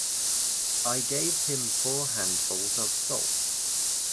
I gave him four handfuls of salt.